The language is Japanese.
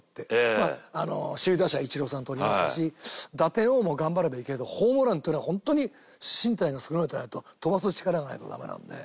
まあ首位打者イチローさん取りましたし打点王も頑張ればいけるけどホームランっていうのはホントに身体が優れてないと飛ばす力がないとダメなので。